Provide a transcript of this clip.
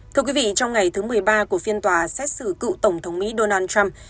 thưa quý vị trong ngày thứ một mươi ba của phiên tòa xét xử cựu tổng thống mỹ donald trump